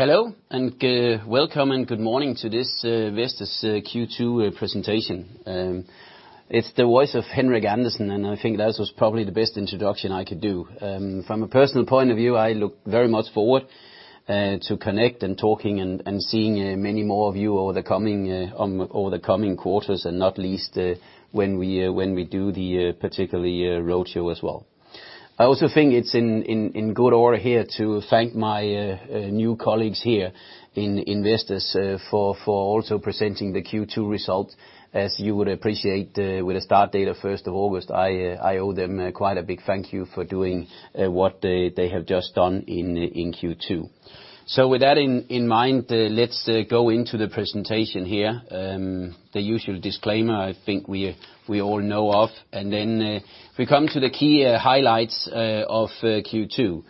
Hello, welcome and good morning to this Vestas Q2 presentation. It's the voice of Henrik Andersen, and I think that was probably the best introduction I could do. From a personal point of view, I look very much forward to connect and talking and seeing many more of you over the coming quarters, and not least when we do the particularly road show as well. I also think it's in good order here to thank my new colleagues here in Vestas for also presenting the Q2 result, as you would appreciate, with a start date of 1st of August, I owe them quite a big thank you for doing what they have just done in Q2. With that in mind, let's go into the presentation here. The usual disclaimer, I think we all know of, and then if we come to the key highlights of Q2.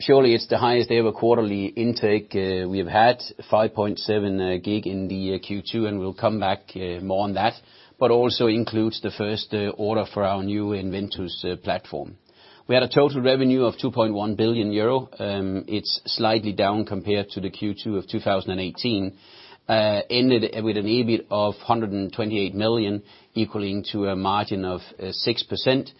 Surely it's the highest-ever quarterly intake we have had, 5.7 GW in Q2, and we'll come back more on that, but also includes the first order for our new EnVentus platform. We had a total revenue of 2.1 billion euro. It's slightly down compared to Q2 of 2018. Ended with an EBIT of 128 million, equaling to a margin of 6%,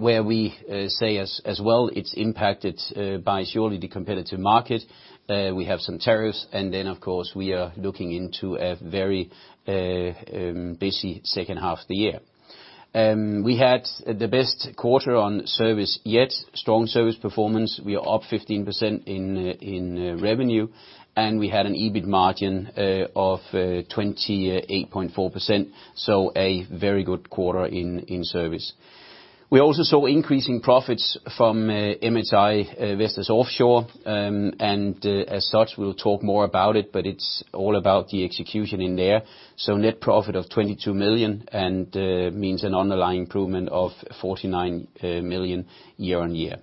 where we say as well, it's impacted by surely the competitive market. We have some tariffs, and then, of course, we are looking into a very busy second half of the year. We had the best quarter on service yet, strong service performance. We are up 15% in revenue, and we had an EBIT margin of 28.4%. A very good quarter in service. We also saw increasing profits from MHI Vestas Offshore. As such, we'll talk more about it's all about the execution in there. Net profit of 22 million means an underlying improvement of 49 million year-on-year.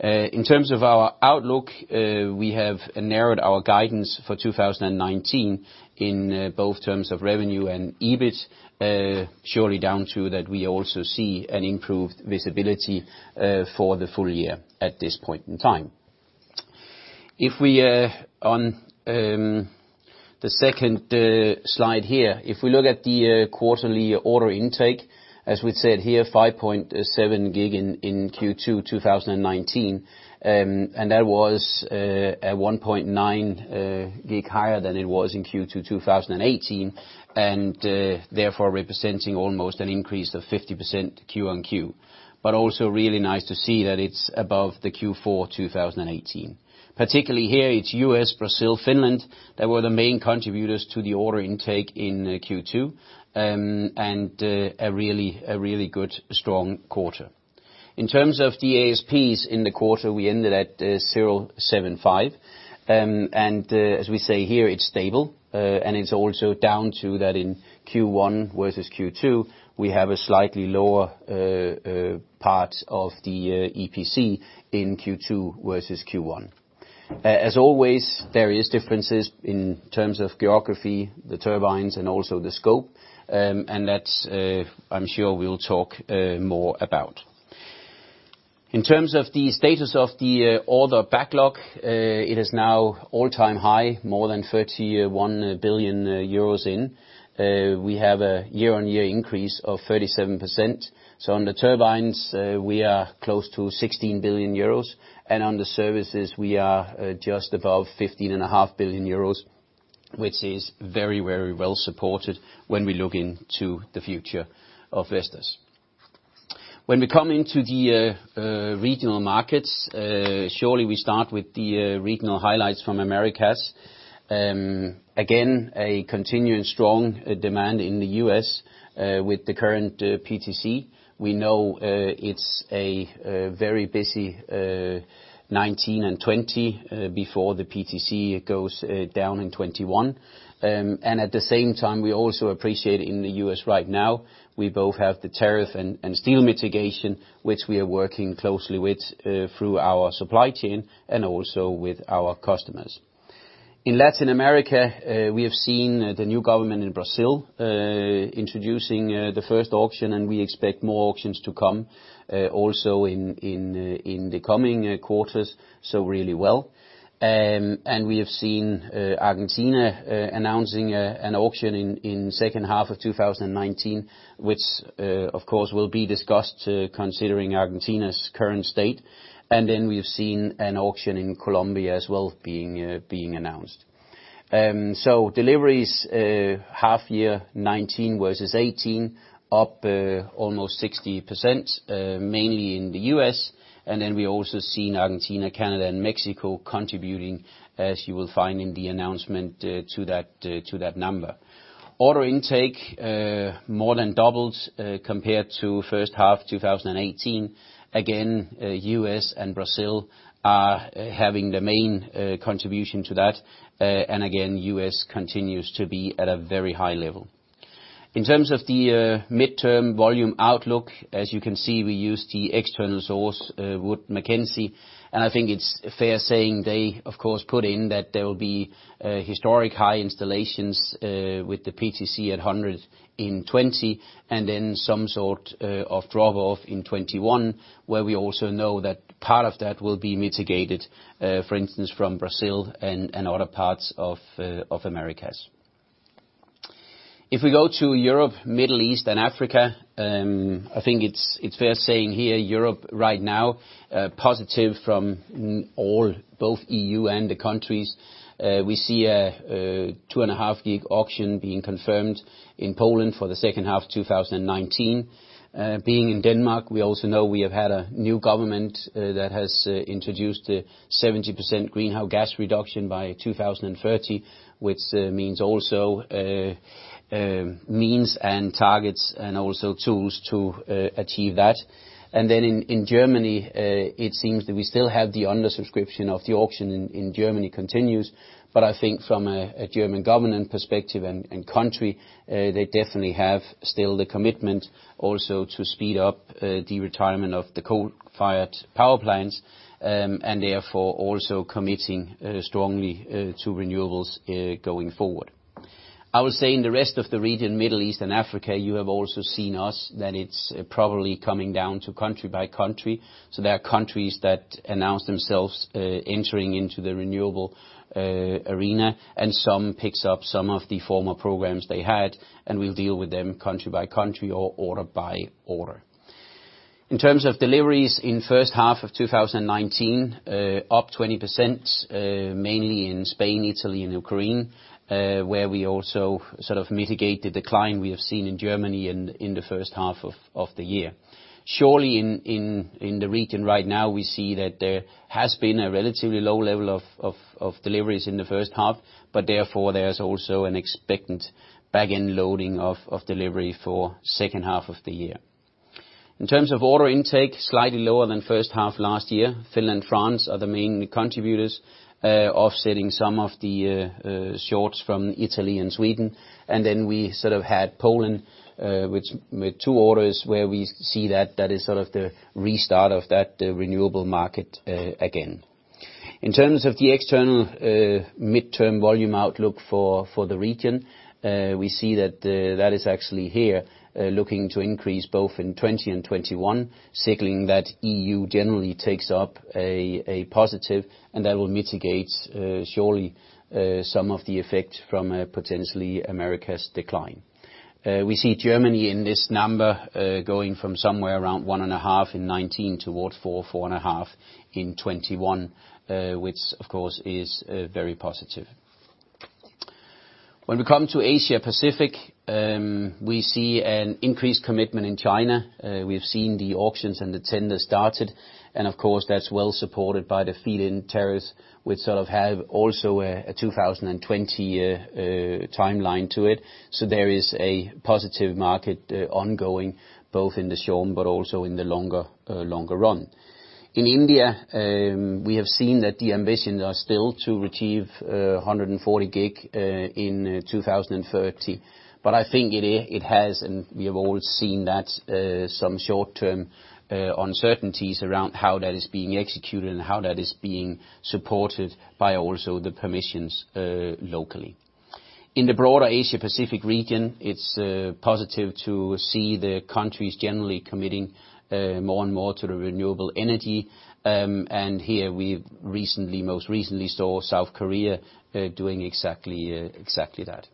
In terms of our outlook, we have narrowed our guidance for 2019 in both terms of revenue and EBIT, surely down to that we also see an improved visibility for the full year at this point in time. On the second slide here, if we look at the quarterly order intake, as we said here, 5.7 GW in Q2 2019, that was 1.9 GW higher than it was in Q2 2018, therefore representing almost an increase of 50% Q-on-Q. Also really nice to see that it's above the Q4 2018. Particularly here, it's U.S., Brazil, Finland, that were the main contributors to the order intake in Q2. A really good, strong quarter. In terms of the ASPs in the quarter, we ended at 075. As we say here, it's stable, and it's also down to that in Q1 versus Q2, we have a slightly lower part of the EPC in Q2 versus Q1. As always, there is differences in terms of geography, the turbines, and also the scope. That I'm sure we'll talk more about. In terms of the status of the order backlog, it is now all-time high, more than 31 billion euros in. We have a year-on-year increase of 37%. On the turbines, we are close to 16 billion euros, and on the services, we are just above 15.5 billion euros, which is very well supported when we look into the future of Vestas. We come into the regional markets, surely we start with the regional highlights from Americas. A continuing strong demand in the U.S. with the current PTC. We know it's a very busy 2019 and 2020 before the PTC goes down in 2021. At the same time, we also appreciate in the U.S. right now, we both have the tariff and steel mitigation, which we are working closely with through our supply chain and also with our customers. In Latin America, we have seen the new government in Brazil, introducing the first auction. We expect more auctions to come, also in the coming quarters, so really well. We have seen Argentina announcing an auction in second half of 2019, which, of course, will be discussed considering Argentina's current state. We've seen an auction in Colombia as well being announced. Deliveries half year 2019 versus 2018, up almost 60%, mainly in the U.S. We also seen Argentina, Canada, and Mexico contributing, as you will find in the announcement to that number. Order intake more than doubled compared to first half 2018. Again, U.S. and Brazil are having the main contribution to that. Again, U.S. continues to be at a very high level. In terms of the midterm volume outlook, as you can see, we use the external source, Wood Mackenzie, and I think it's fair saying they, of course, put in that there will be historic high installations with the PTC at 100 in 2020, and then some sort of drop-off in 2021, where we also know that part of that will be mitigated, for instance, from Brazil and other parts of Americas. If we go to Europe, Middle East, and Africa, I think it's fair saying here, Europe right now, positive from all, both EU and the countries. We see a 2.5 gig auction being confirmed in Poland for the second half of 2019. Being in Denmark, we also know we have had a new government that has introduced a 70% greenhouse gas reduction by 2030, which means also means and targets and also tools to achieve that. In Germany, it seems that we still have the underscription of the auction in Germany continues, but I think from a German government perspective and country, they definitely have still the commitment also to speed up the retirement of the coal-fired power plants, and therefore, also committing strongly to renewables going forward. In the rest of the region, Middle East and Africa, you have also seen us that it's probably coming down to country by country. There are countries that announce themselves entering into the renewable arena, and some picks up some of the former programs they had, and we'll deal with them country by country or order by order. In terms of deliveries in first half of 2019, up 20%, mainly in Spain, Italy, and Ukraine, where we also sort of mitigate the decline we have seen in Germany in the first half of the year. Surely in the region right now, we see that there has been a relatively low level of deliveries in the first half, but therefore, there's also an expectant backend loading of delivery for second half of the year. In terms of order intake, slightly lower than first half last year. Finland, France are the main contributors, offsetting some of the shorts from Italy and Sweden. We sort of had Poland, with two orders where we see that that is sort of the restart of that renewable market again. In terms of the external midterm volume outlook for the region, we see that that is actually looking to increase both in 2020 and 2021, signaling that EU generally takes up a positive, and that will mitigate surely some of the effect from potentially U.S.'s decline. We see Germany in this number, going from somewhere around 1.5 in 2019 toward four, 4.5 in 2021, which, of course, is very positive. When we come to Asia Pacific, we see an increased commitment in China. We have seen the auctions and the tender started, and of course, that's well supported by the feed-in tariffs, which sort of have also a 2020 timeline to it. So there is a positive market ongoing, both in the short, but also in the longer run. In India, we have seen that the ambitions are still to achieve 140 gig in 2030, but I think it has, and we have all seen that, some short-term uncertainties around how that is being executed and how that is being supported by also the permissions locally. In the broader Asia-Pacific region, it's positive to see the countries generally committing more and more to the renewable energy. Here we've most recently saw South Korea doing exactly that.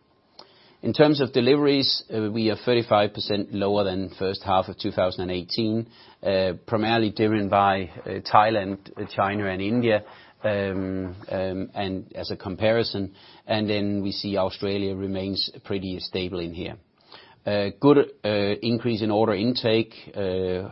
In terms of deliveries, we are 35% lower than first half of 2018, primarily driven by Thailand, China, and India, and as a comparison, and then we see Australia remains pretty stable in here. A good increase in order intake, 100%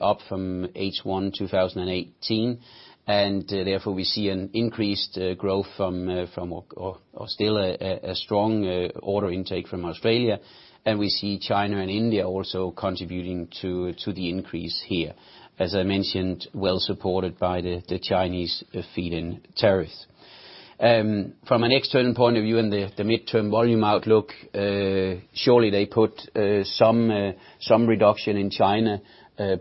up from H1 2018, and therefore, we see an increased growth from or still a strong order intake from Australia, and we see China and India also contributing to the increase here. As I mentioned, well supported by the Chinese feed-in tariffs. From an external point of view in the midterm volume outlook, surely they put some reduction in China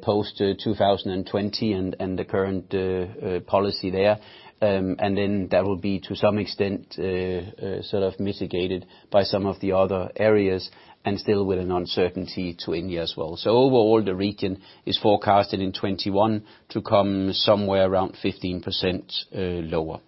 post-2020 and the current policy there, and then that will be, to some extent, sort of mitigated by some of the other areas, and still with an uncertainty to India as well. Overall, the region is forecasted in 2021 to come somewhere around 15% lower.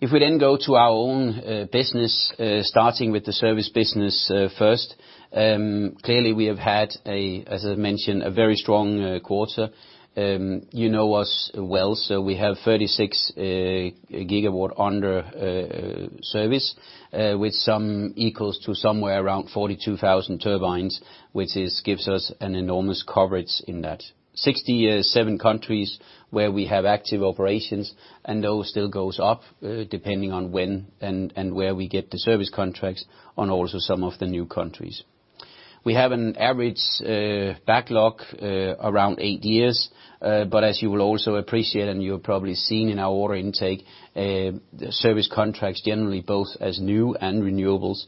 If we then go to our own business, starting with the service business first, clearly we have had a, as I mentioned, a very strong quarter. You know us well, so we have 36 GW under service, with some equals to somewhere around 42,000 turbines, which gives us an enormous coverage in that. 67 countries where we have active operations, and those still goes up depending on when and where we get the service contracts on also some of the new countries. We have an average backlog around eight years, but as you will also appreciate and you have probably seen in our order intake, the service contracts generally, both as new and renewables,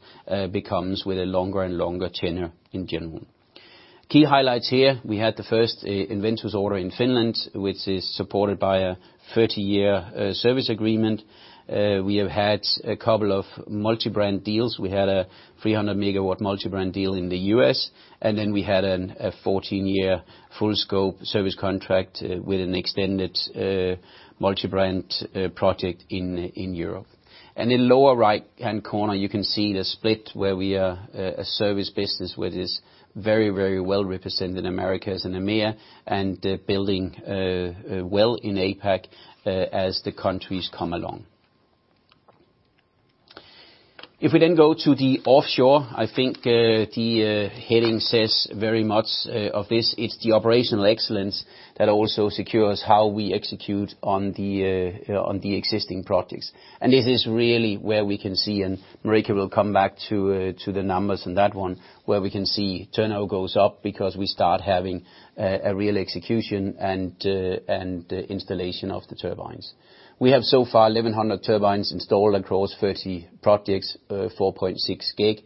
becomes with a longer and longer tenure in general. Key highlights here, we had the first EnVentus order in Finland, which is supported by a 30-year service agreement. We have had a couple of multi-brand deals. We had a 300 MW multi-brand deal in the U.S., and then we had a 14-year full scope service contract with an extended multi-brand project in Europe. In lower right-hand corner, you can see the split where we are a service business where it is very well represented in Americas and EMEA, and building well in APAC as the countries come along. If we then go to the offshore, I think the heading says very much of this. It's the operational excellence that also secures how we execute on the existing projects. This is really where we can see, Marika will come back to the numbers on that one, where we can see turnover goes up because we start having a real execution and installation of the turbines. We have so far 1,100 turbines installed across 30 projects, 4.6 GW.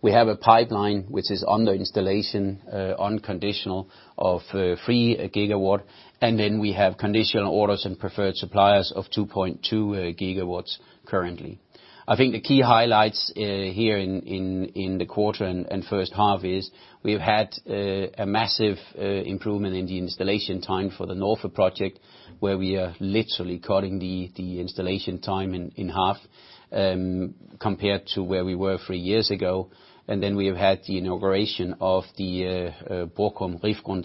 We have a pipeline which is under installation, unconditional, of 3 GW, and then we have conditional orders and preferred suppliers of 2.2 GW currently. I think the key highlights here in the quarter and first half is we've had a massive improvement in the installation time for the Norther project, where we are literally cutting the installation time in half compared to where we were three years ago. Then we have had the inauguration of the Borkum Riffgrund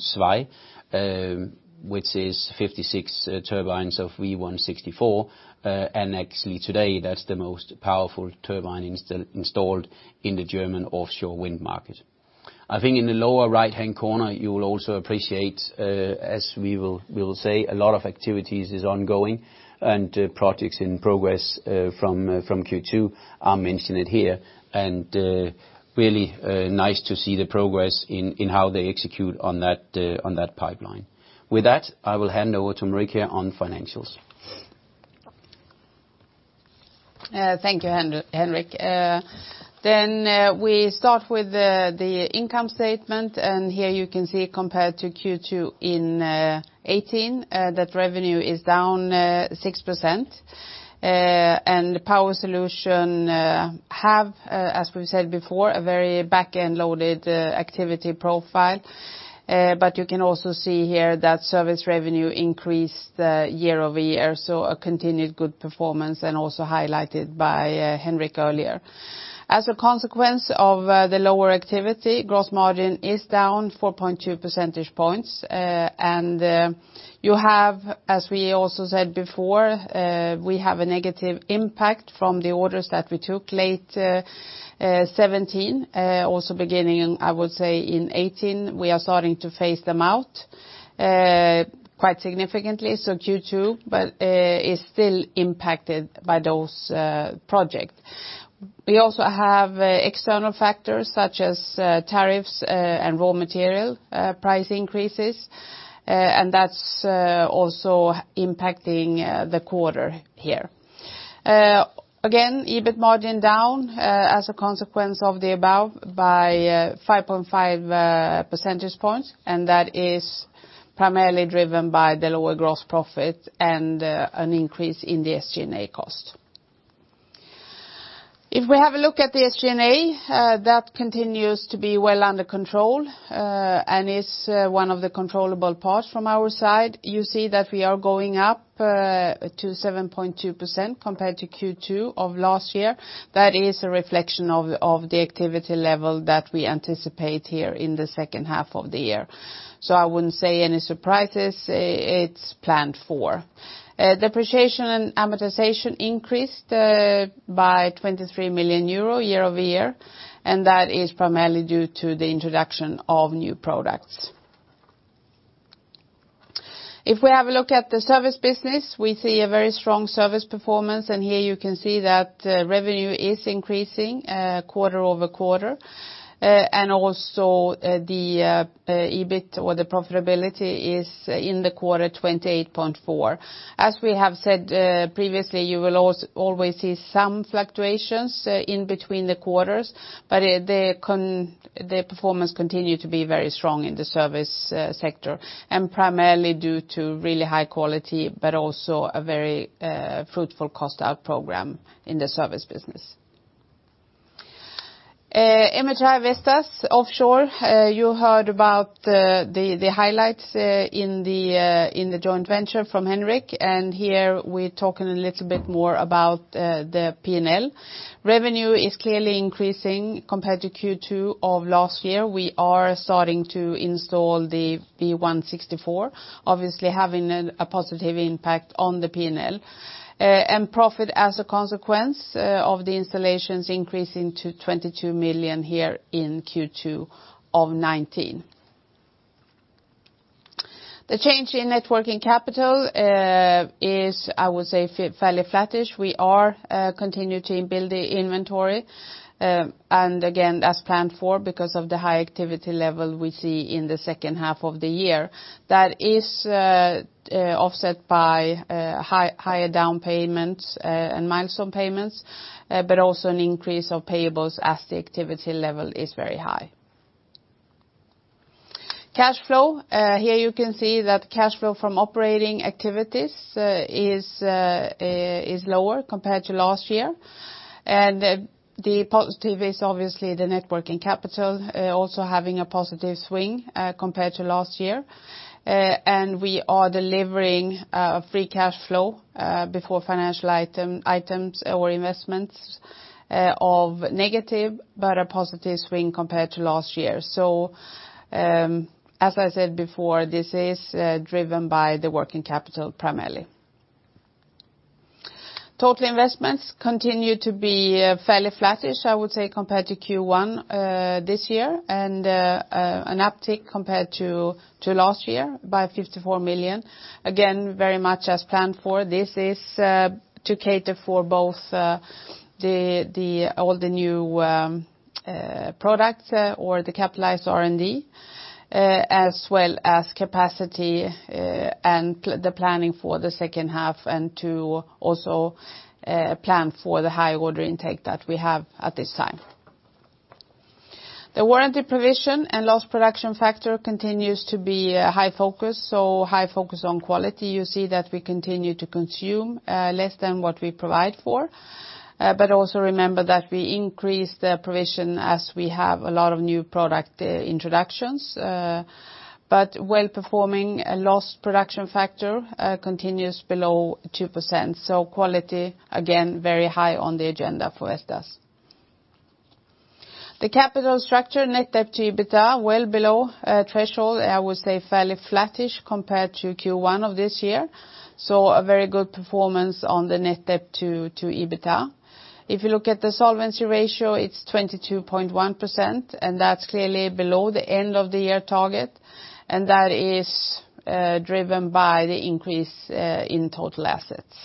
2, which is 56 turbines of V164, and actually today that's the most powerful turbine installed in the German offshore wind market. I think in the lower right-hand corner, you will also appreciate, as we will say, a lot of activities is ongoing. Projects in progress from Q2 are mentioned here. Really nice to see the progress in how they execute on that pipeline. With that, I will hand over to Marika on financials. Thank you, Henrik. We start with the income statement, and here you can see compared to Q2 in 2018, that revenue is down 6%. The power solution have, as we've said before, a very backend loaded activity profile. You can also see here that service revenue increased year-over-year, so a continued good performance, and also highlighted by Henrik earlier. As a consequence of the lower activity, gross margin is down 4.2 percentage points. You have, as we also said before, we have a negative impact from the orders that we took late 2017, also beginning, I would say, in 2018. We are starting to phase them out quite significantly. Q2 is still impacted by those projects. We also have external factors such as tariffs and raw material price increases, and that's also impacting the quarter here. EBIT margin down as a consequence of the above by 5.5 percentage points. That is primarily driven by the lower gross profit and an increase in the SGA cost. If we have a look at the SGA, that continues to be well under control, is one of the controllable parts from our side. You see that we are going up to 7.2% compared to Q2 of last year. That is a reflection of the activity level that we anticipate here in the second half of the year. I wouldn't say any surprises. It's planned for. Depreciation and amortization increased by 23 million euro year-over-year. That is primarily due to the introduction of new products. If we have a look at the service business, we see a very strong service performance. Here you can see that revenue is increasing quarter-over-quarter. The EBIT or the profitability is, in the quarter, 28.4%. As we have said previously, you will always see some fluctuations in between the quarters, but the performance continue to be very strong in the service sector, and primarily due to really high quality, but also a very fruitful cost out program in the service business. MHI Vestas Offshore, you heard about the highlights in the joint venture from Henrik. Here we're talking a little bit more about the P&L. Revenue is clearly increasing compared to Q2 of last year. We are starting to install the V164, obviously having a positive impact on the P&L. Profit as a consequence of the installations increasing to 22 million here in Q2 of 2019. The change in net working capital is, I would say, fairly flattish. We are continuing to build the inventory, and again, as planned for because of the high activity level we see in the second half of the year. That is offset by higher down payments and milestone payments, but also an increase of payables as the activity level is very high. Cash flow. Here you can see that cash flow from operating activities is lower compared to last year, and the positive is obviously the net working capital also having a positive swing compared to last year. We are delivering a free cash flow before financial items or investments of negative, but a positive swing compared to last year. As I said before, this is driven by the working capital primarily. Total investments continue to be fairly flattish, I would say, compared to Q1 this year, and an uptick compared to last year by 54 million. Again, very much as planned for. This is to cater for both all the new products or the capitalized R&D, as well as capacity and the planning for the second half, and to also plan for the high order intake that we have at this time. The warranty provision and lost production factor continues to be a high focus, so high focus on quality. Also remember that we increase the provision as we have a lot of new product introductions. Well-performing lost production factor continues below 2%. Quality, again, very high on the agenda for Vestas. The capital structure net debt to EBITDA, well below threshold, I would say fairly flattish compared to Q1 of this year. A very good performance on the net debt to EBITDA. If you look at the solvency ratio, it's 22.1%, and that's clearly below the end of the year target, and that is driven by the increase in total assets.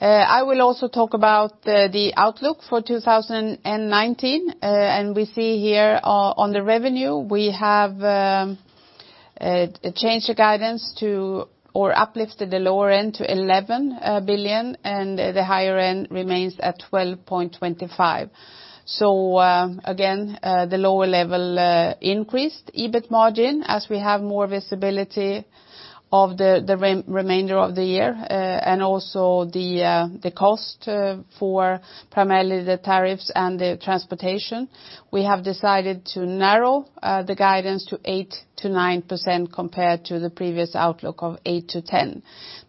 I will also talk about the outlook for 2019. We see here on the revenue, we have changed the guidance to, or uplifted the lower end to 11 billion, and the higher end remains at 12.25 billion. Again, the lower level increased EBIT margin as we have more visibility of the remainder of the year. Also the cost for primarily the tariffs and the transportation. We have decided to narrow the guidance to 8%-9% compared to the previous outlook of 8%-10%.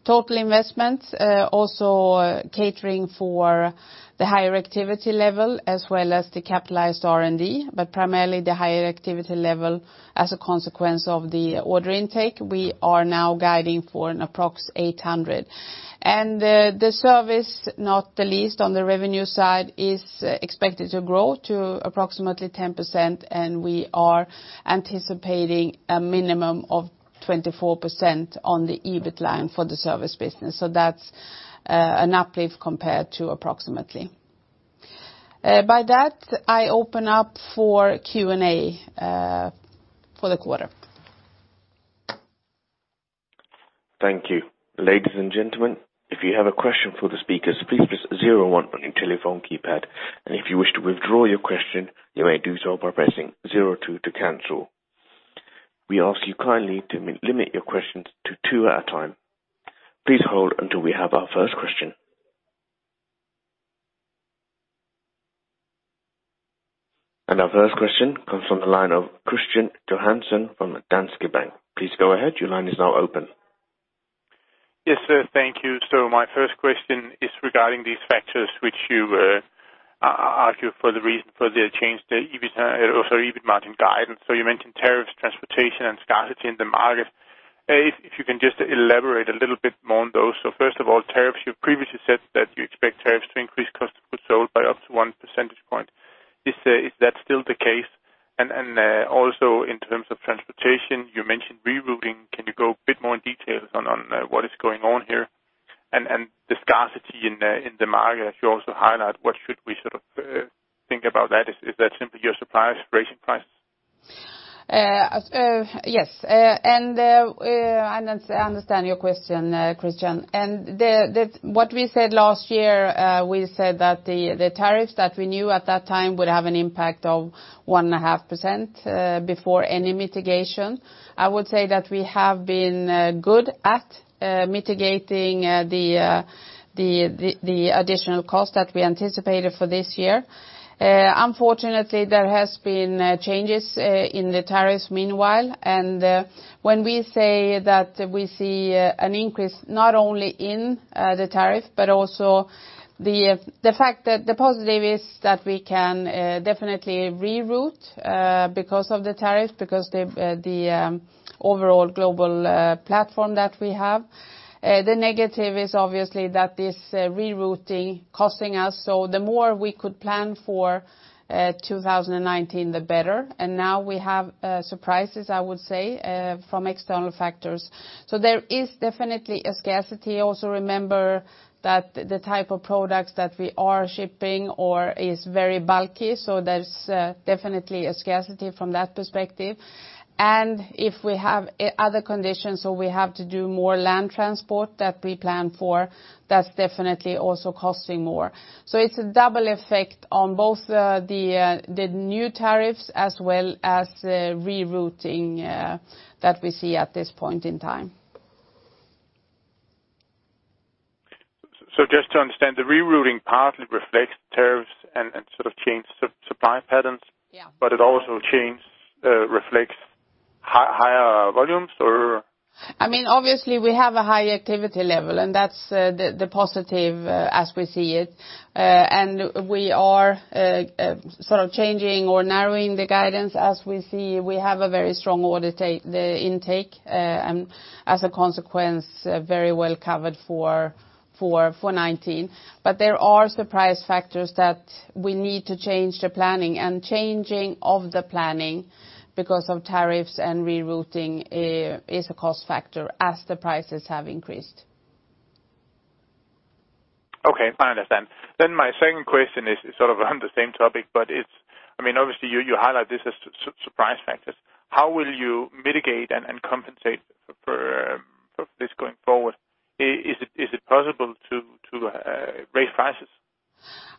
Total investments also catering for the higher activity level as well as the capitalized R&D, but primarily the higher activity level as a consequence of the order intake. We are now guiding for an approx 800. The service, not the least on the revenue side, is expected to grow to approximately 10%, and we are anticipating a minimum of 24% on the EBIT line for the service business. That's an uplift compared to approximately. By that, I open up for Q&A for the quarter. Thank you. Ladies and gentlemen, if you have a question for the speakers, please press zero one on your telephone keypad. If you wish to withdraw your question, you may do so by pressing zero two to cancel. We ask you kindly to limit your questions to two at a time. Please hold until we have our first question. Our first question comes from the line of Kristian Johansen from Danske Bank. Please go ahead. Your line is now open. Yes, sir. Thank you. My first question is regarding these factors which you argue for the change, the EBIT margin guidance. You mentioned tariffs, transportation, and scarcity in the market. If you can just elaborate a little bit more on those. First of all, tariffs. You previously said that you expect tariffs to increase cost of goods sold by up to one percentage point. Is that still the case? Also in terms of transportation, you mentioned rerouting. Can you go a bit more in details on what is going on here? The scarcity in the market you also highlight, what should we think about that? Is that simply your suppliers raising prices? Yes. I understand your question, Kristian. What we said last year, we said that the tariffs that we knew at that time would have an impact of 1.5% before any mitigation. I would say that we have been good at mitigating the additional cost that we anticipated for this year. Unfortunately, there has been changes in the tariffs meanwhile. When we say that we see an increase not only in the tariff, but also the fact that the positive is that we can definitely reroute because of the tariff, because the overall global platform that we have. The negative is obviously that this rerouting costing us. The more we could plan for 2019, the better. Now we have surprises, I would say, from external factors. There is definitely a scarcity. Also remember that the type of products that we are shipping is very bulky. There's definitely a scarcity from that perspective. If we have other conditions or we have to do more land transport that we plan for, that's definitely also costing more. It's a double effect on both the new tariffs as well as the rerouting that we see at this point in time. Just to understand, the rerouting partly reflects tariffs and sort of change supply patterns? Yeah. It also reflects higher volumes or? Obviously, we have a high activity level, and that's the positive as we see it. We are changing or narrowing the guidance as we see we have a very strong order intake, and as a consequence, very well covered for 2019. There are surprise factors that we need to change the planning, and changing of the planning because of tariffs and rerouting is a cost factor as the prices have increased. Okay. I understand. My second question is on the same topic, but obviously you highlight this as surprise factors. How will you mitigate and compensate for this going forward? Is it possible to raise prices?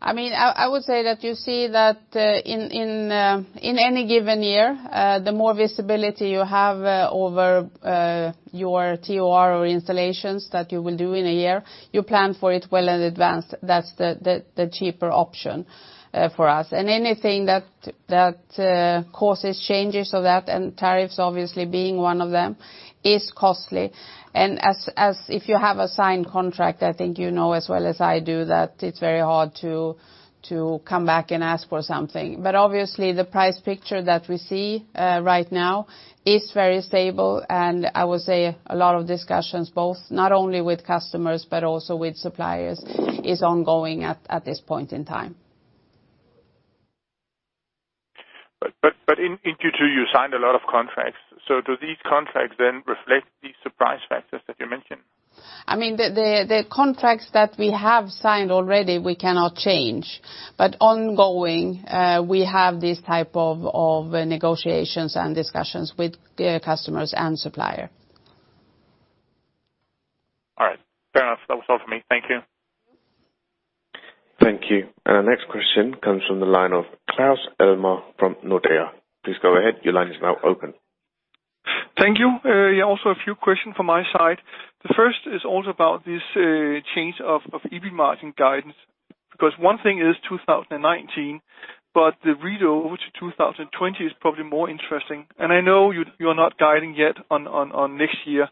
I would say that you see that in any given year, the more visibility you have over your TOR or installations that you will do in a year, you plan for it well in advance. That's the cheaper option for us. Anything that causes changes of that, and tariffs obviously being one of them, is costly. If you have a signed contract, I think you know as well as I do that it's very hard to come back and ask for something. Obviously the price picture that we see right now is very stable, and I would say a lot of discussions, both not only with customers but also with suppliers, is ongoing at this point in time. In Q2 you signed a lot of contracts. Do these contracts then reflect these surprise factors that you mentioned? The contracts that we have signed already, we cannot change. Ongoing, we have these type of negotiations and discussions with customers and supplier. All right. Fair enough. That was all for me. Thank you. Thank you. Our next question comes from the line of Claus Almer from Nordea. Please go ahead. Your line is now open. Thank you. Also a few questions from my side. The first is also about this change of EBIT margin guidance, because one thing is 2019, but the read over to 2020 is probably more interesting. I know you're not guiding yet on next year,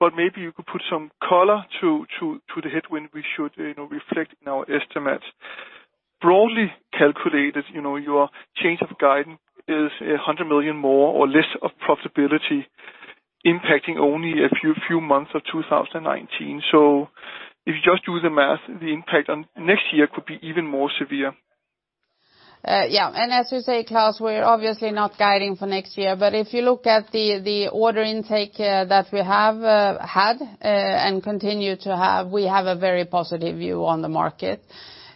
but maybe you could put some color to the headwind we should reflect in our estimates. Broadly calculated, your change of guidance is 100 million more or less of profitability impacting only a few months of 2019. If you just do the math, the impact on next year could be even more severe. Yeah. As you say, Claus, we're obviously not guiding for next year. If you look at the order intake that we have had and continue to have, we have a very positive view on the market.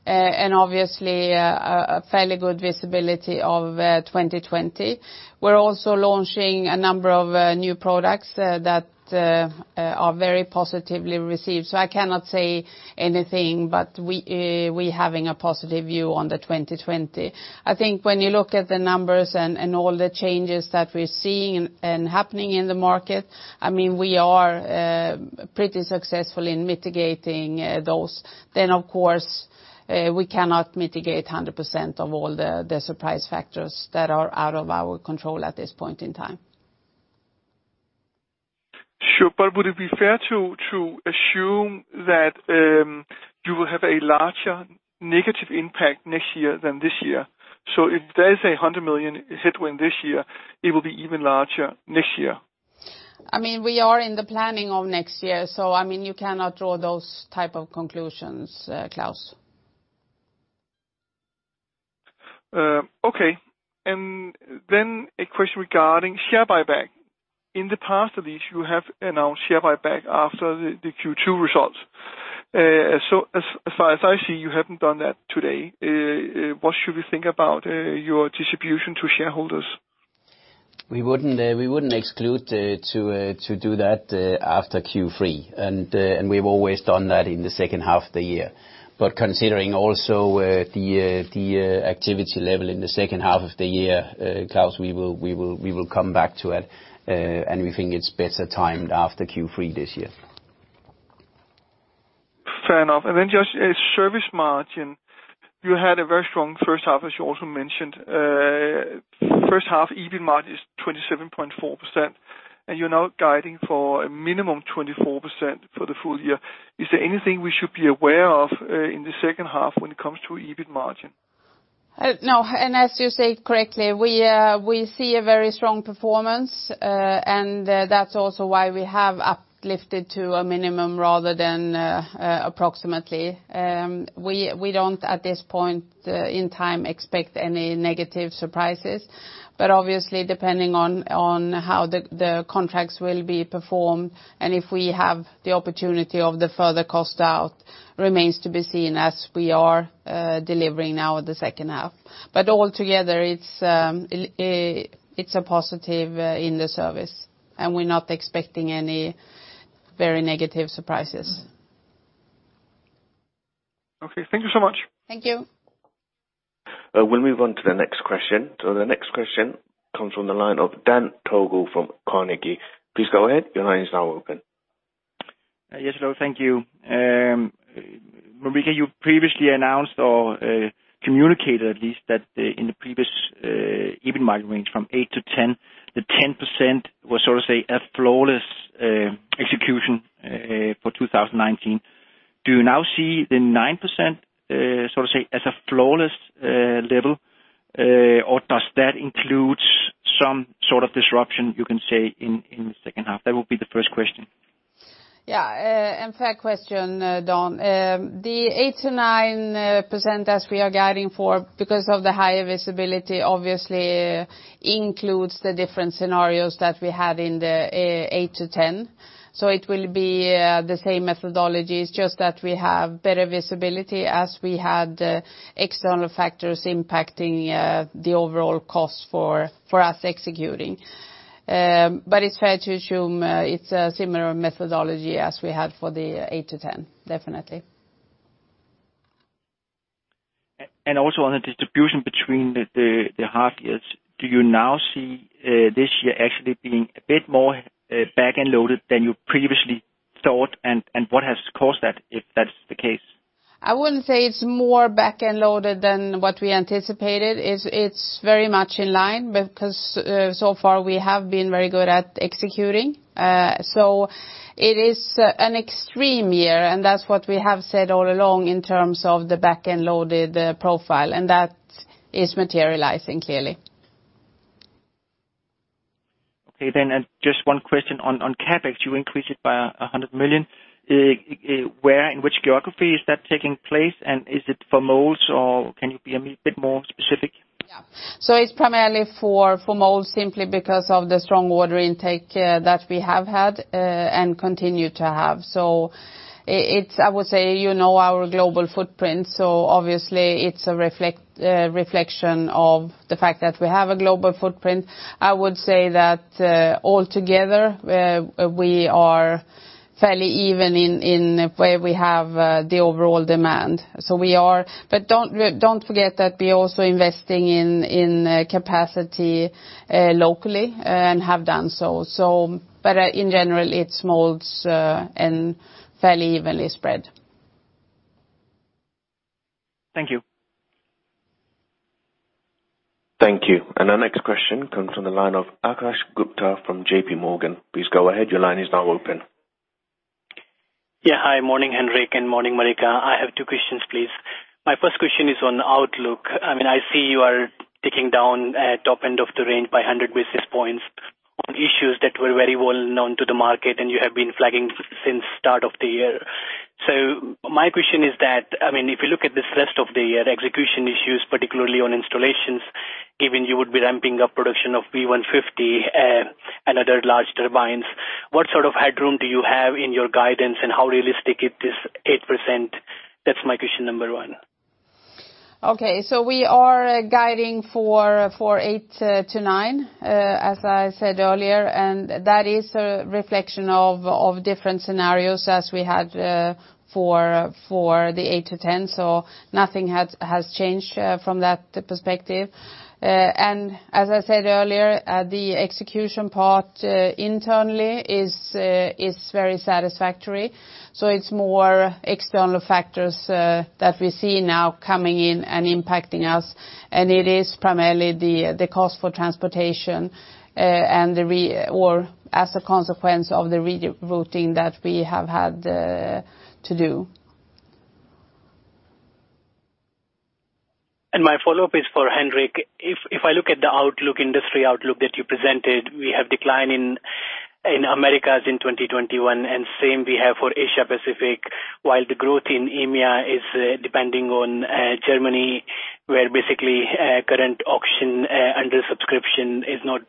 Obviously, a fairly good visibility of 2020. We're also launching a number of new products that are very positively received. I cannot say anything, but we having a positive view on the 2020. I think when you look at the numbers and all the changes that we're seeing and happening in the market, we are pretty successful in mitigating those. Of course, we cannot mitigate 100% of all the surprise factors that are out of our control at this point in time. Sure. Would it be fair to assume that you will have a larger negative impact next year than this year? If there is a 100 million headwind this year, it will be even larger next year. We are in the planning of next year. You cannot draw those type of conclusions, Claus. Okay. A question regarding share buyback. In the past at least, you have announced share buyback after the Q2 results. As far as I see, you haven't done that today. What should we think about your distribution to shareholders? We wouldn't exclude to do that after Q3, and we've always done that in the second half of the year. Considering also the activity level in the second half of the year, Klaus, we will come back to it, and we think it's better timed after Q3 this year. Fair enough. Just service margin. You had a very strong first half, as you also mentioned. First half EBIT margin is 27.4%, and you're now guiding for a minimum 24% for the full year. Is there anything we should be aware of in the second half when it comes to EBIT margin? No. As you say correctly, we see a very strong performance, and that's also why we have uplifted to a minimum rather than approximately. We don't, at this point in time, expect any negative surprises, but obviously, depending on how the contracts will be performed and if we have the opportunity of the further cost out remains to be seen as we are delivering now the second half. Altogether, it's a positive in the service, and we're not expecting any very negative surprises. Okay. Thank you so much. Thank you. We'll move on to the next question. The next question comes from the line of Dan Togo from Carnegie. Please go ahead. Your line is now open Yes, hello. Thank you. Marika, you previously announced or communicated at least that in the previous EBIT margin range from 8%-10%, the 10% was, so to say, a flawless execution for 2019. Do you now see the 9%, so to say, as a flawless level? Does that include some sort of disruption, you can say, in the second half? That would be the first question. Yeah. Fair question, Dan. The 8%-9%, as we are guiding for because of the higher visibility, obviously includes the different scenarios that we had in the 8%-10%. It will be the same methodology, it's just that we have better visibility as we had external factors impacting the overall cost for us executing. It's fair to assume it's a similar methodology as we had for the 8%-10%. Definitely. Also on the distribution between the half years, do you now see this year actually being a bit more back-end loaded than you previously thought? What has caused that, if that's the case? I wouldn't say it's more back-end loaded than what we anticipated. It's very much in line because so far we have been very good at executing. It is an extreme year, and that's what we have said all along in terms of the back-end loaded profile, and that is materializing clearly. Okay then, and just one question on CapEx. You increased it by 100 million. Where, in which geography is that taking place, and is it for molds, or can you be a bit more specific? Yeah. It's primarily for molds simply because of the strong order intake that we have had and continue to have. It's, I would say, you know our global footprint, obviously it's a reflection of the fact that we have a global footprint. I would say that altogether, we are fairly even in where we have the overall demand. Don't forget that we're also investing in capacity locally and have done so. In general, it's molds and fairly evenly spread. Thank you. Thank you. Our next question comes from the line of Akash Gupta from JPMorgan. Please go ahead, your line is now open. Yeah. Hi, morning, Henrik, and morning, Marika. I have two questions, please. My first question is on outlook. I see you are taking down top end of the range by 100 basis points on issues that were very well known to the market, and you have been flagging since start of the year. My question is that, if you look at this rest of the year, execution issues, particularly on installations, given you would be ramping up production of V150 and other large turbines, what sort of headroom do you have in your guidance, and how realistic it is, 8%? That's my question number one. Okay, we are guiding for 8-9, as I said earlier. That is a reflection of different scenarios as we had for the 8-10. Nothing has changed from that perspective. As I said earlier, the execution part internally is very satisfactory. It's more external factors that we see now coming in and impacting us. It is primarily the cost for transportation or as a consequence of the rerouting that we have had to do. My follow-up is for Henrik. If I look at the industry outlook that you presented, we have decline in Americas in 2021, and same we have for Asia Pacific, while the growth in EMEA is depending on Germany, where basically current auction under subscription is not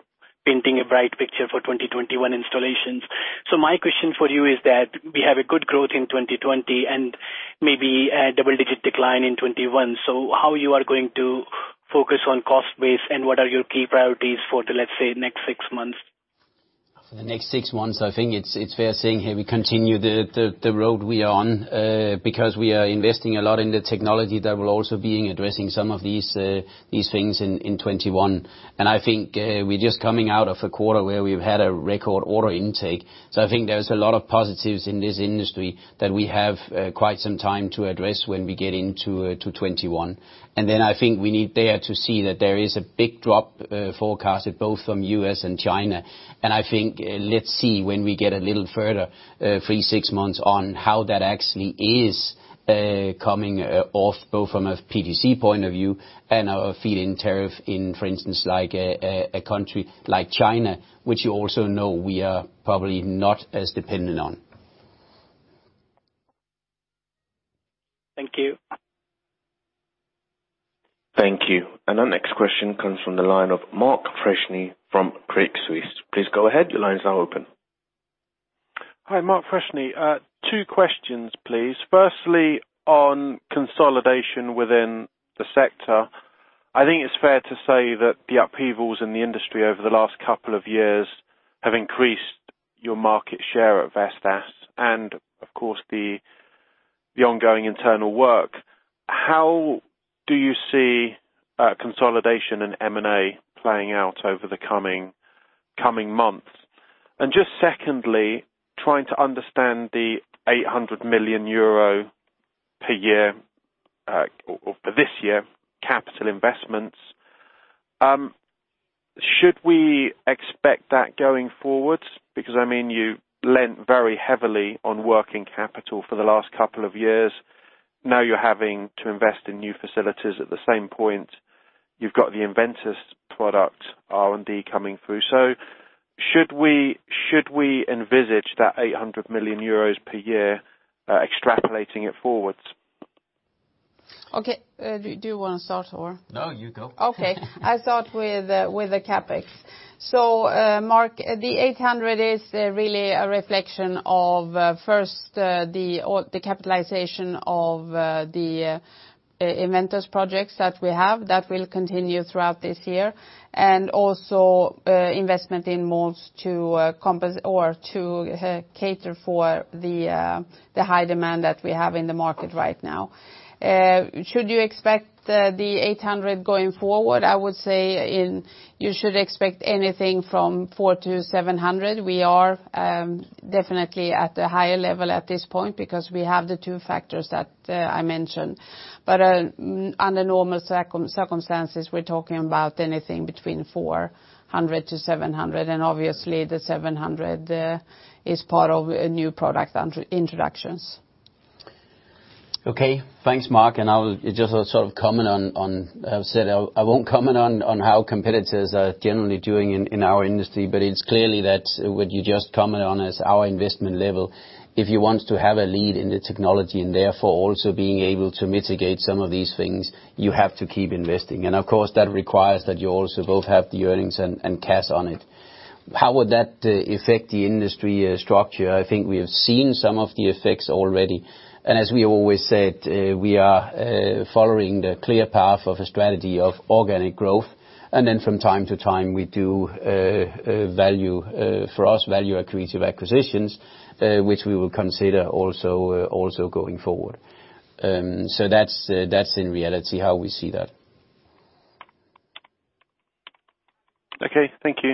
painting a bright picture for 2021 installations. My question for you is that we have a good growth in 2020 and maybe a double-digit decline in 2021. How you are going to focus on cost base, and what are your key priorities for the, let's say, next six months? For the next six months, I think it's fair saying, here we continue the road we are on. We are investing a lot in the technology that will also be addressing some of these things in 2021. I think we're just coming out of a quarter where we've had a record order intake. I think there's a lot of positives in this industry that we have quite some time to address when we get into 2021. I think we need there to see that there is a big drop forecasted both from U.S. and China. I think, let's see when we get a little further, three, six months on how that actually is coming off, both from a PTC point of view and our feed-in tariff in, for instance, a country like China, which you also know we are probably not as dependent on. Thank you. Thank you. Our next question comes from the line of Mark Freshney from Credit Suisse. Please go ahead, your line's now open. Hi, Mark Freshney. Two questions, please. Firstly, on consolidation within the sector. I think it's fair to say that the upheavals in the industry over the last couple of years have increased your market share at Vestas. Of course, the The ongoing internal work, how do you see consolidation and M&A playing out over the coming months? Just secondly, trying to understand the 800 million euro per year, or for this year, capital investments. Should we expect that going forward? Because you lent very heavily on working capital for the last couple of years. Now you're having to invest in new facilities at the same point. You've got the EnVentus product R&D coming through. Should we envisage that 800 million euros per year, extrapolating it forwards? Okay. Do you want to start, Thor? No, you go. I'll start with the CapEx. Mark, the 800 is really a reflection of, first, the capitalization of the EnVentus projects that we have. That will continue throughout this year. Also investment in mills to cater for the high demand that we have in the market right now. Should you expect the 800 going forward? I would say you should expect anything from 400-700. We are definitely at a higher level at this point because we have the two factors that I mentioned. Under normal circumstances, we're talking about anything between 400-700. Obviously the 700 is part of new product introductions. Okay. Thanks, Mark. I will just sort of comment on, as I said, I won't comment on how competitors are generally doing in our industry, but it's clearly that what you just commented on is our investment level. If you want to have a lead in the technology and therefore also being able to mitigate some of these things, you have to keep investing. Of course, that requires that you also both have the earnings and cash on it. How would that affect the industry structure? I think we have seen some of the effects already. As we always said, we are following the clear path of a strategy of organic growth. From time to time, we do for us, value accretive acquisitions, which we will consider also going forward. That's in reality how we see that. Okay. Thank you.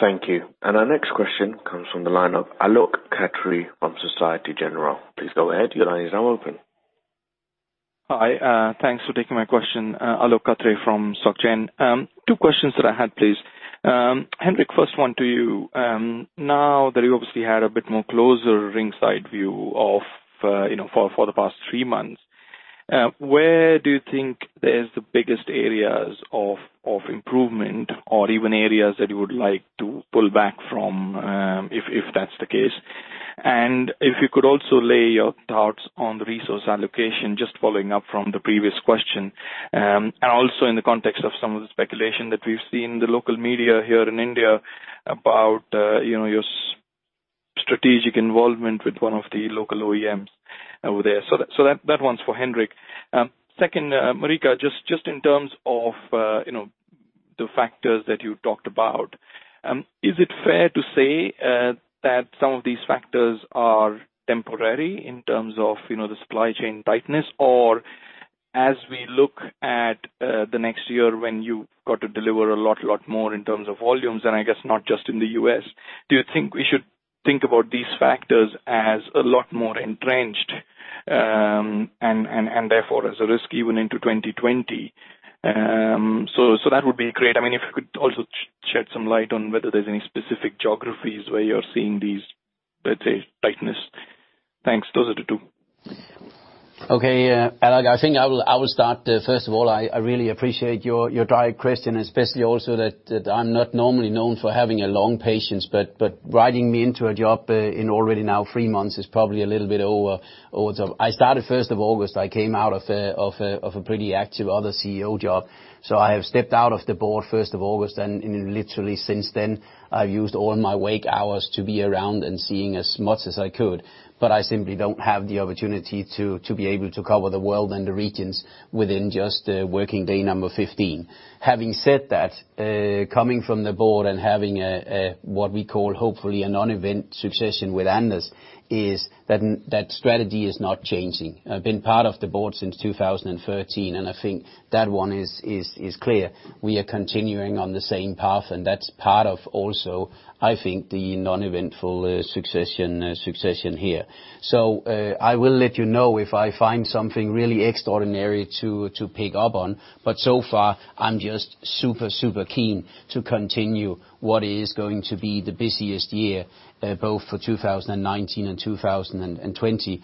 Thank you. Our next question comes from the line of Alok Khatri from Societe Generale. Please go ahead. Your line is now open. Hi. Thanks for taking my question. Alok Khatri from Soc Gen. Two questions that I had, please. Henrik, first one to you. Now that you obviously had a bit more closer ringside view for the past three months, where do you think there's the biggest areas of improvement or even areas that you would like to pull back from, if that's the case? If you could also lay your thoughts on the resource allocation, just following up from the previous question. Also in the context of some of the speculation that we've seen in the local media here in India about your strategic involvement with one of the local OEMs over there. That one's for Henrik. Second, Marika, just in terms of the factors that you talked about, is it fair to say that some of these factors are temporary in terms of the supply chain tightness? As we look at the next year when you got to deliver a lot more in terms of volumes and I guess not just in the U.S., do you think we should think about these factors as a lot more entrenched, and therefore as a risk even into 2020? That would be great. If you could also shed some light on whether there's any specific geographies where you're seeing these, let's say, tightness. Thanks. Those are the two. Okay. Alok, I think I will start. First of all, I really appreciate your direct question, especially also that I'm not normally known for having a long patience, but riding me into a job in already now three months is probably a little bit over. I started 1st of August. I came out of a pretty active other CEO job. I have stepped out of the board 1st of August, and literally since then, I've used all my wake hours to be around and seeing as much as I could. I simply don't have the opportunity to be able to cover the world and the regions within just working day number 15. Having said that, coming from the board and having what we call hopefully a non-event succession with Anders is that strategy is not changing. I've been part of the board since 2013, and I think that one is clear. We are continuing on the same path, and that's part of also, I think, the non-eventful succession here. I will let you know if I find something really extraordinary to pick up on, but so far, I'm just super keen to continue what is going to be the busiest year, both for 2019 and 2020,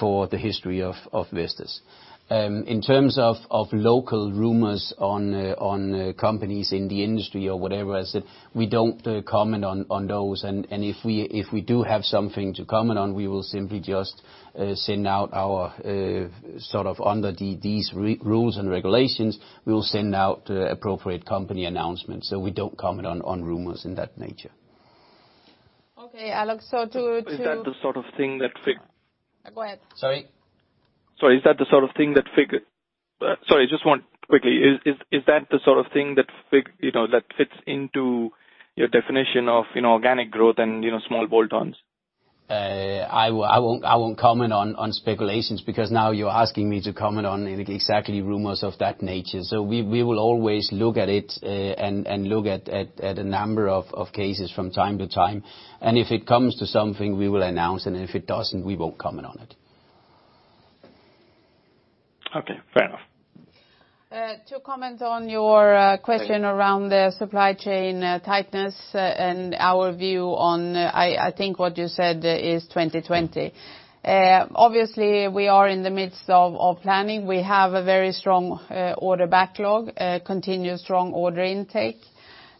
for the history of Vestas. In terms of local rumors on companies in the industry or whatever, as I said, we don't comment on those. If we do have something to comment on, we will simply just send out our sort of under these rules and regulations, we will send out appropriate company announcements. We don't comment on rumors in that nature. Okay, Alok. Is that the sort of thing that- Go ahead. Sorry? Sorry, just quickly, is that the sort of thing that fits into your definition of organic growth and small bolt-ons? I won't comment on speculations, because now you're asking me to comment on exactly rumors of that nature. We will always look at it and look at a number of cases from time to time, and if it comes to something, we will announce, and if it doesn't, we won't comment on it. Okay. Fair enough. To comment on your question around the supply chain tightness and our view on, I think what you said is 2020. We are in the midst of planning. We have a very strong order backlog, continuous strong order intake.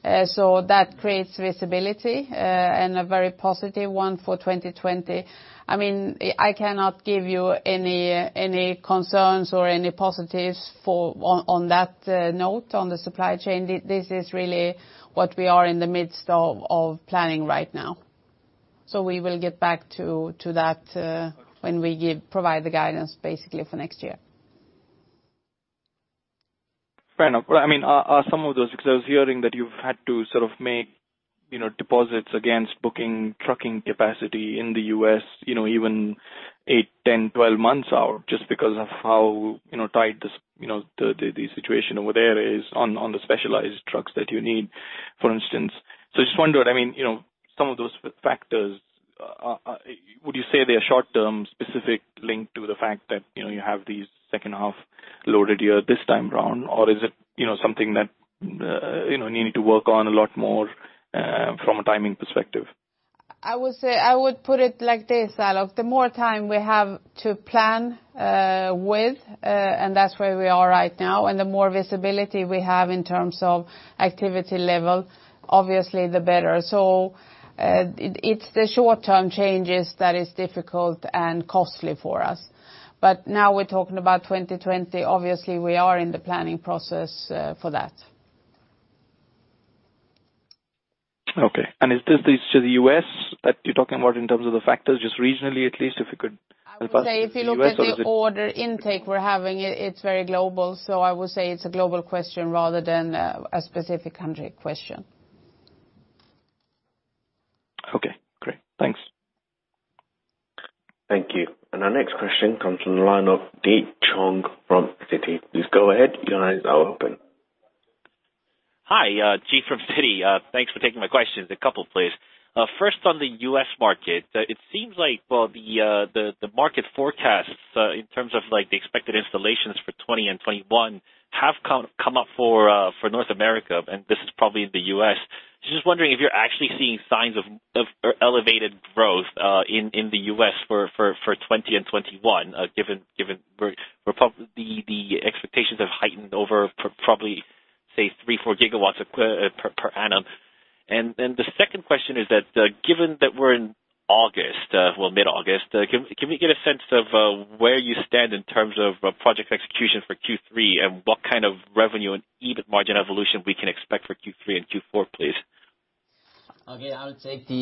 That creates visibility, and a very positive one for 2020. I cannot give you any concerns or any positives on that note, on the supply chain. This is really what we are in the midst of planning right now. We will get back to that when we provide the guidance basically for next year. Fair enough. I was hearing that you've had to make deposits against booking trucking capacity in the U.S., even 8, 10, 12 months out, just because of how tight the situation over there is on the specialized trucks that you need, for instance. I just wonder, some of those factors, would you say they are short-term specific linked to the fact that you have these second half loaded here this time around? Or is it something that you need to work on a lot more from a timing perspective? I would put it like this, Alok, the more time we have to plan with, and that's where we are right now, and the more visibility we have in terms of activity level, obviously the better. It's the short-term changes that is difficult and costly for us. Now we're talking about 2020, obviously, we are in the planning process for that. Okay. Is this just the U.S. that you're talking about in terms of the factors, just regionally, at least, if you could help us? I would say if you look at the order intake we're having, it's very global. I would say it's a global question rather than a specific country question. Okay, great. Thanks. Thank you. Our next question comes from the line of Dee Chong from Citi. Please go ahead, your lines are open. Hi, Dee from Citi. Thanks for taking my questions. A couple, please. First on the U.S. market, it seems like the market forecasts in terms of the expected installations for 2020 and 2021 have come up for North America, and this is probably the U.S. Just wondering if you're actually seeing signs of elevated growth in the U.S. for 2020 and 2021, given the expectations have heightened over probably, say, three, four gigawatts per annum. The second question is that, given that we're in August, well, mid-August, can we get a sense of where you stand in terms of project execution for Q3, and what kind of revenue and EBIT margin evolution we can expect for Q3 and Q4, please? Okay. I'll take the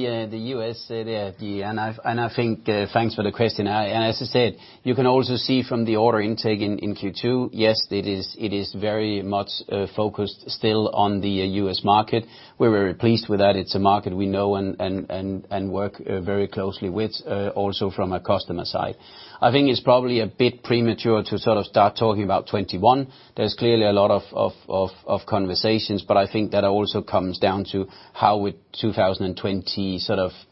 U.S., thanks for the question. As I said, you can also see from the order intake in Q2, yes, it is very much focused still on the U.S. market. We're very pleased with that. It's a market we know and work very closely with, also from a customer side. I think it's probably a bit premature to start talking about 2021. There's clearly a lot of conversations, I think that also comes down to how would 2020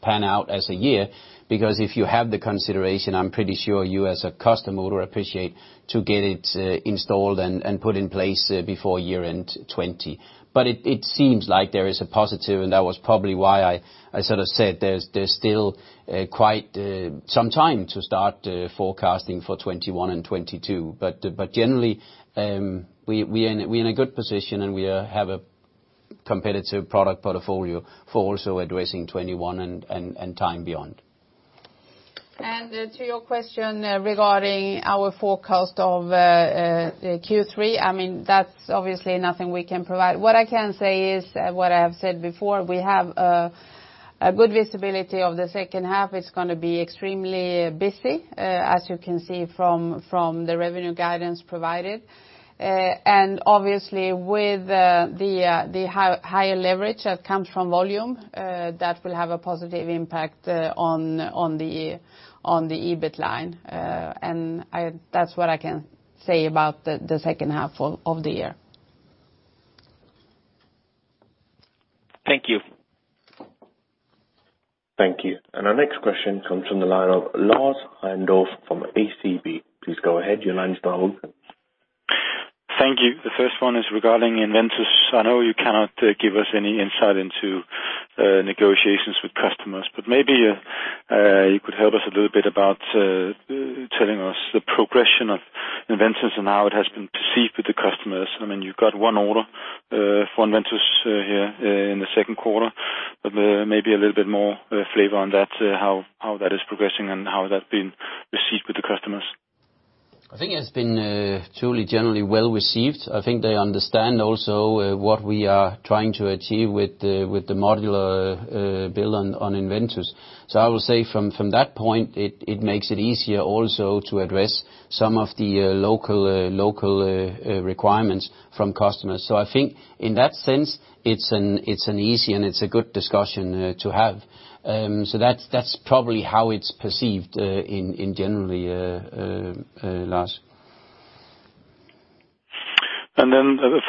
pan out as a year. If you have the consideration, I'm pretty sure you as a customer would appreciate to get it installed and put in place before year-end 2020. It seems like there is a positive, that was probably why I said there's still quite some time to start forecasting for 2021 and 2022. Generally, we're in a good position, and we have a competitive product portfolio for also addressing 2021 and time beyond. To your question regarding our forecast of Q3, that's obviously nothing we can provide. What I can say is what I have said before. We have a good visibility of the second half. It's going to be extremely busy, as you can see from the revenue guidance provided. Obviously with the higher leverage that comes from volume, that will have a positive impact on the EBIT line. That's what I can say about the second half of the year. Thank you. Thank you. Our next question comes from the line of Lars Hindorf from ACB. Please go ahead. Your line is now open. Thank you. The first one is regarding EnVentus. I know you cannot give us any insight into negotiations with customers, but maybe you could help us a little bit about telling us the progression of EnVentus and how it has been perceived with the customers. You've got one order for EnVentus here in the second quarter, but maybe a little bit more flavor on that, how that is progressing and how that's been received with the customers. I think it's been truly, generally well-received. I think they understand also what we are trying to achieve with the modular build on EnVentus. I will say from that point, it makes it easier also to address some of the local requirements from customers. I think in that sense, it's an easy and it's a good discussion to have. That's probably how it's perceived in generally, Lars. A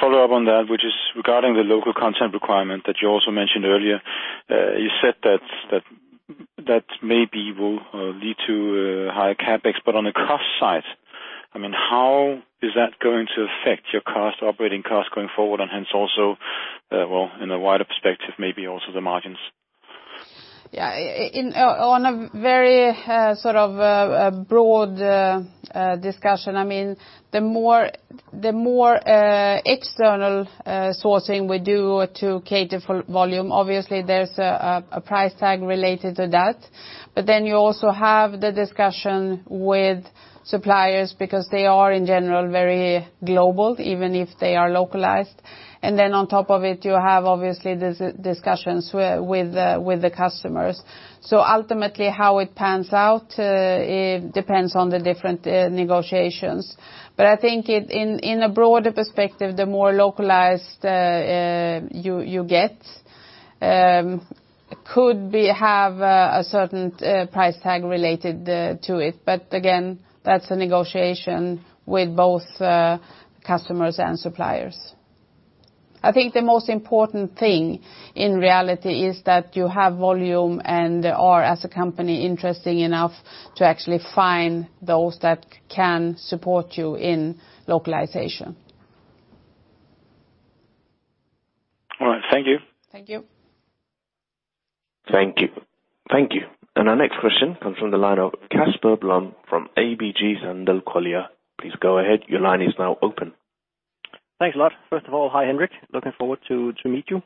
follow-up on that, which is regarding the local content requirement that you also mentioned earlier. You said that maybe will lead to higher CapEx, but on the cost side, how is that going to affect your operating costs going forward? Hence also, well, in a wider perspective, maybe also the margins. Yeah. On a very broad discussion, the more external sourcing we do to cater for volume, obviously there's a price tag related to that. You also have the discussion with suppliers because they are, in general, very global, even if they are localized. On top of it, you have obviously discussions with the customers. Ultimately, how it pans out, it depends on the different negotiations. I think in a broader perspective, the more localized you get could have a certain price tag related to it. Again, that's a negotiation with both customers and suppliers. I think the most important thing in reality is that you have volume and are, as a company, interesting enough to actually find those that can support you in localization. All right. Thank you. Thank you. Thank you. Our next question comes from the line of Casper Blom from ABG Sundal Collier. Please go ahead. Your line is now open. Thanks a lot. First of all, hi, Henrik. Looking forward to meet you.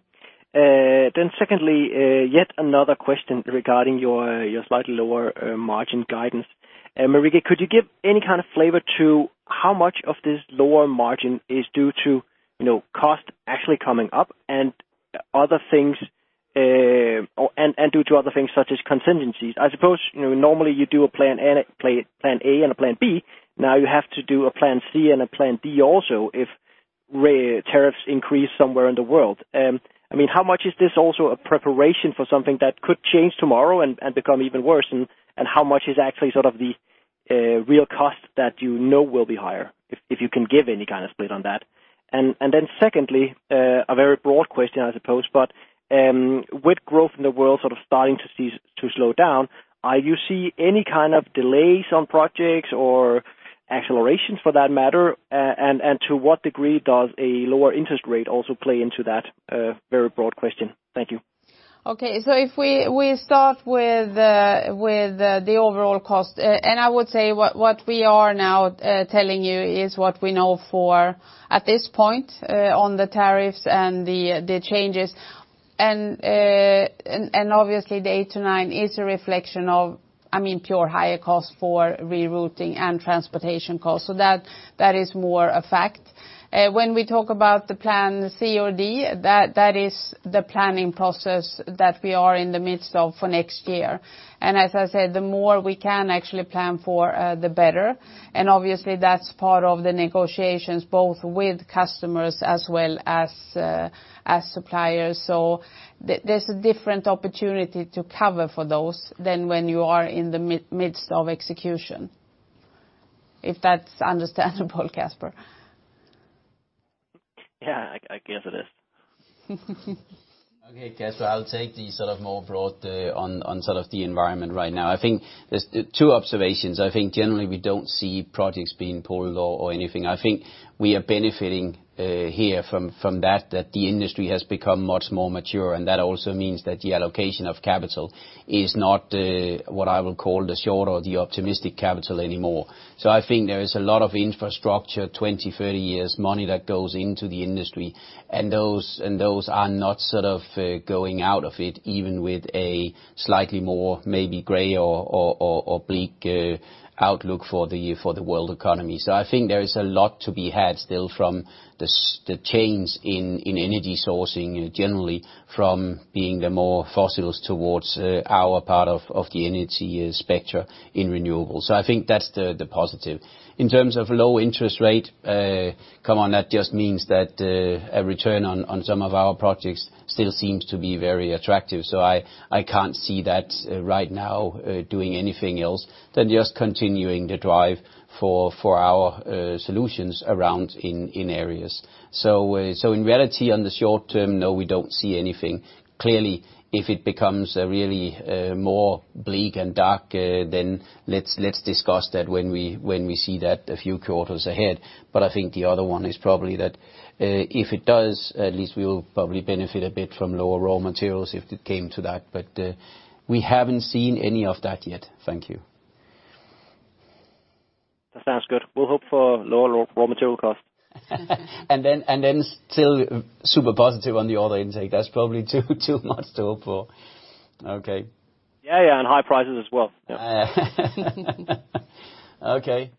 Secondly, yet another question regarding your slightly lower margin guidance. Marika, could you give any kind of flavor to how much of this lower margin is due to cost actually coming up and due to other things such as contingencies? I suppose, normally you do a plan A and a plan B, now you have to do a plan C and a plan D also if tariffs increase somewhere in the world. How much is this also a preparation for something that could change tomorrow and become even worse? How much is actually the real cost that you know will be higher, if you can give any kind of split on that. Secondly, a very broad question I suppose, but with growth in the world starting to slow down, are you seeing any kind of delays on projects or accelerations for that matter? To what degree does a lower interest rate also play into that? Very broad question. Thank you. Okay, if we start with the overall cost, I would say what we are now telling you is what we know for, at this point, on the tariffs and the changes. Obviously the H2 9 is a reflection of pure higher cost for rerouting and transportation costs. That is more a fact. When we talk about the Plan C or D, that is the planning process that we are in the midst of for next year. As I said, the more we can actually plan for, the better. Obviously, that's part of the negotiations, both with customers as well as suppliers. There's a different opportunity to cover for those than when you are in the midst of execution. If that's understandable, Casper. Yeah, I guess it is. Okay, Casper, I'll take the more broad on the environment right now. I think there are two observations. I think generally we don't see projects being pulled or anything. I think we are benefiting here from that the industry has become much more mature, and that also means that the allocation of capital is not what I will call the short or the optimistic capital anymore. I think there is a lot of infrastructure, 20, 30 years money that goes into the industry, and those are not going out of it, even with a slightly more, maybe gray or bleak outlook for the world economy. I think there is a lot to be had still from the change in energy sourcing, generally from being the more fossils towards our part of the energy spectra in renewables. I think that's the positive. In terms of low interest rate, come on, that just means that a return on some of our projects still seems to be very attractive. I can't see that right now doing anything else than just continuing the drive for our solutions around in areas. In reality, on the short term, no, we don't see anything. Clearly, if it becomes a really more bleak and dark, then let's discuss that when we see that a few quarters ahead. I think the other one is probably that if it does, at least we will probably benefit a bit from lower raw materials if it came to that. We haven't seen any of that yet. Thank you. That sounds good. We'll hope for lower raw material costs. Still super positive on the order intake. That's probably too much to hope for. Okay. Yeah, high prices as well. Okay.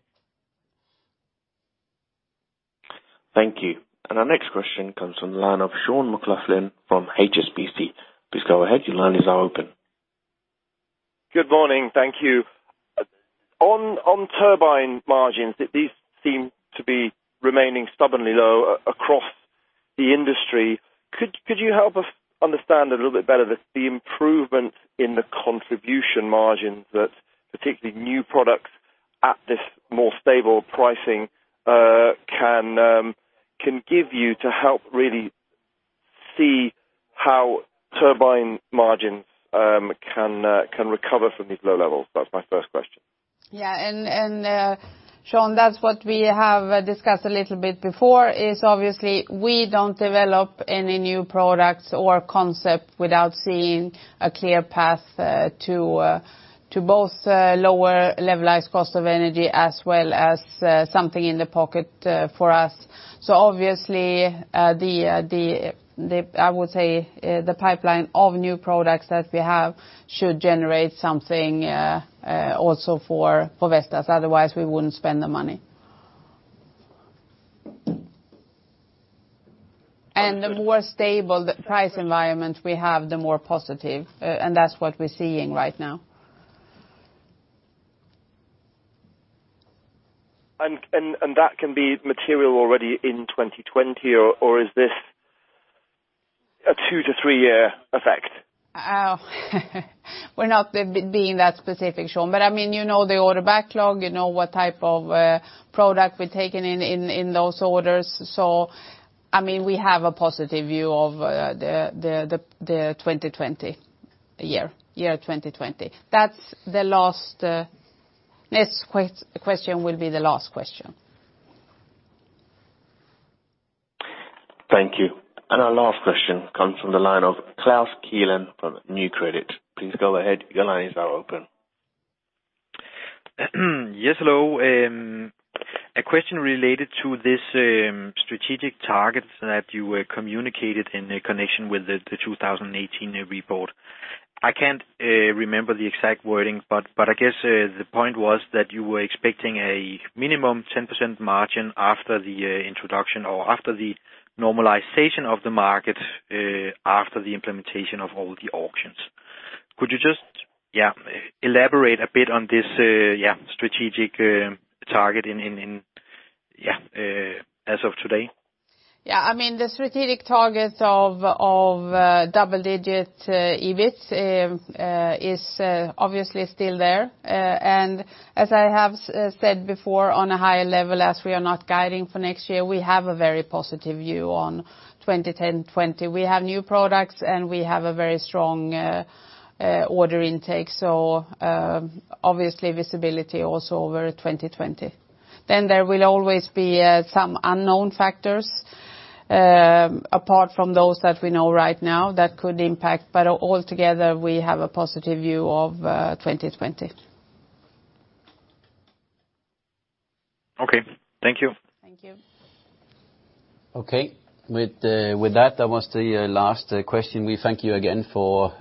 Thank you. Our next question comes from the line of Sean McLoughlin from HSBC. Please go ahead. Your line is now open. Good morning. Thank you. On turbine margins, these seem to be remaining stubbornly low across the industry. Could you help us understand a little bit better the improvement in the contribution margins that, particularly new products at this more stable pricing, can give you to help really see how turbine margins can recover from these low levels? That's my first question. Yeah, Sean, that's what we have discussed a little bit before, is obviously we don't develop any new products or concept without seeing a clear path to both lower levelized cost of energy, as well as something in the pocket for us. Obviously, I would say the pipeline of new products that we have should generate something also for Vestas. Otherwise, we wouldn't spend the money. The more stable the price environment we have, the more positive, and that's what we're seeing right now. That can be material already in 2020, or is this a two-to-three-year effect? We're not being that specific, Sean. You know the order backlog, you know what type of product we're taking in those orders. We have a positive view of the 2020 year 2020. Next question will be the last question. Thank you. Our last question comes from the line of Klaus Keilen from Nykredit. Please go ahead. Your line is now open. Yes, hello. A question related to this strategic target that you communicated in connection with the 2018 report. I can't remember the exact wording, but I guess the point was that you were expecting a minimum 10% margin after the introduction or after the normalization of the market, after the implementation of all the auctions. Could you just elaborate a bit on this strategic target as of today? Yeah. The strategic target of double-digit EBIT is obviously still there. As I have said before, on a higher level, as we are not guiding for next year, we have a very positive view on 2010-2020. We have new products, and we have a very strong order intake, so obviously visibility also over 2020. There will always be some unknown factors, apart from those that we know right now, that could impact, but altogether we have a positive view of 2020. Okay. Thank you. Thank you. Okay. With that was the last question. We thank you again for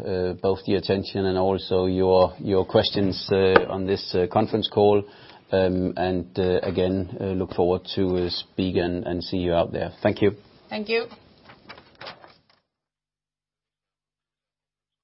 both the attention and also your questions on this conference call. Again, look forward to speak and see you out there. Thank you. Thank you.